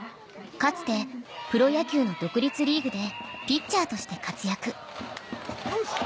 かつてプロ野球の独立リーグでピッチャーとして活躍